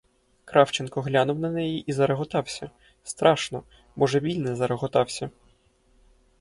Кравченко глянув на неї і зареготався, страшно, божевільне зареготався.